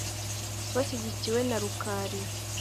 bashyigikiwe na rukari